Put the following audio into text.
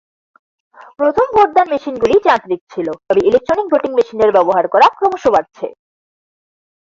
প্রথম ভোটদান মেশিনগুলি যান্ত্রিক ছিল তবে ইলেক্ট্রনিক ভোটিং মেশিনের ব্যবহার করা ক্রমশ বাড়ছে।